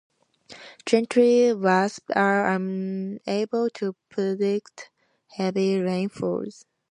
Generally, wasps are unable to predict heavy rainfalls.